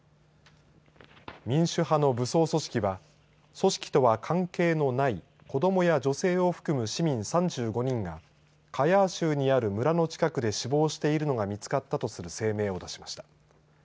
民主派の武装組織は組織とは関係のない子どもや女性を含む市民３５人がカヤー州にある村の近くで死亡しているのが見つかったとする声明を出しました。